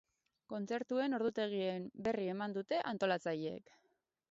Kontzertuen ordutegien berri eman dute antolatzaileek.